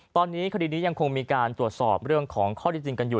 ตอนนี้คดีนี้ยังคงมีการตรวจสอบเรื่องของข้อที่จริงกันอยู่